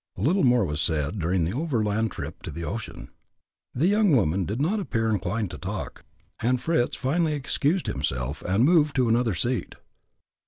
Little more was said during the overland trip to the ocean. The young woman did not appear inclined to talk, and Fritz finally excused himself, and moved to another seat.